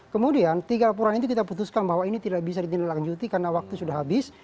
kemudian tiga laporan itu kita putuskan bahwa ini tidak bisa ditindaklanjuti karena waktu sudah habis